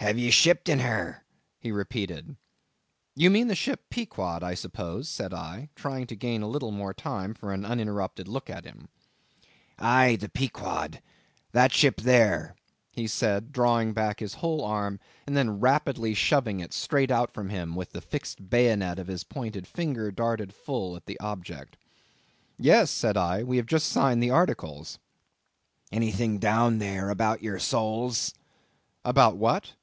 "Have ye shipped in her?" he repeated. "You mean the ship Pequod, I suppose," said I, trying to gain a little more time for an uninterrupted look at him. "Aye, the Pequod—that ship there," he said, drawing back his whole arm, and then rapidly shoving it straight out from him, with the fixed bayonet of his pointed finger darted full at the object. "Yes," said I, "we have just signed the articles." "Anything down there about your souls?" "About what?"